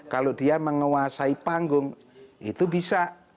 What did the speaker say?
kalau dia menguasai panggung itu bisa